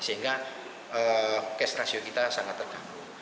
sehingga cash rasio kita sangat terganggu